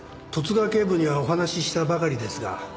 十津川警部にはお話ししたばかりですが。